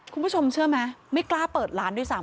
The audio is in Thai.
คุณผู้ชมเชื่อไหมไม่กล้าเปิดร้านด้วยซ้ำ